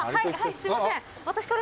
すいません。